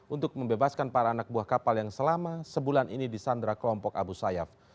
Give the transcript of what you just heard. untuk membebaskan para anak buah kapal yang selama sebulan ini disandra kelompok abu sayyaf